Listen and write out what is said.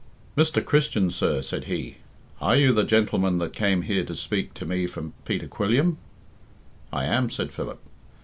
"Mr. Christian, sir," said he, "are you the gentleman that came here to speak to me for Peter Quilliam?" "I am," said Philip.